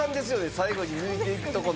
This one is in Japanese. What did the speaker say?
最後に抜いていくところ。